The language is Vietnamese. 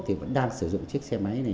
thì vẫn đang sử dụng chiếc xe máy này